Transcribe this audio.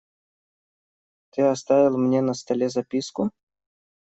Ты оставил мне на столе записку?